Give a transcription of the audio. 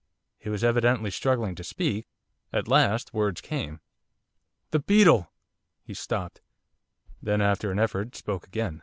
He was evidently struggling to speak. At last words came. 'The beetle!' He stopped. Then, after an effort, spoke again.